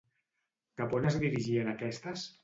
Cap on es dirigien aquestes?